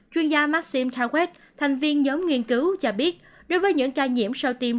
chuyên gia maxim tawet thành viên nhóm nghiên cứu cho biết đối với những ca nhiễm sau tiêm